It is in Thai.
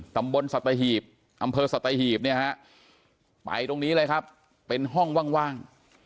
ตำบลสัตหีบอำเภอสัตหีบเนี่ยฮะไปตรงนี้เลยครับเป็นห้องว่าง